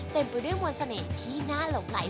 เต็มไปด้วยมนต์เสน่ห์ที่น่าหลงไหล